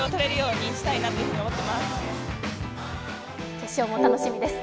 決勝も楽しみです。